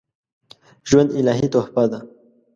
ژوند الهي تحفه ده